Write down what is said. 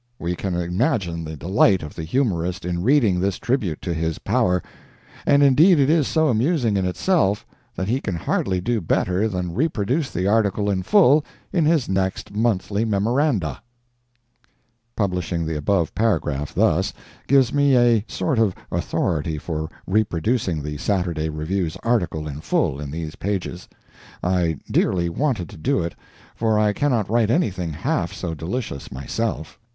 We can imagine the delight of the humorist in reading this tribute to his power; and indeed it is so amusing in itself that he can hardly do better than reproduce the article in full in his next monthly Memoranda. (Publishing the above paragraph thus, gives me a sort of authority for reproducing the Saturday Review's article in full in these pages. I dearly wanted to do it, for I cannot write anything half so delicious myself.